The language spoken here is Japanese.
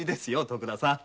徳田さん。